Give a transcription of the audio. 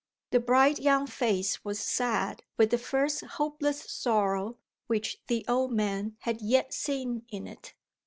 The bright young face was sad with the first hopeless sorrow which the old man had yet seen in it.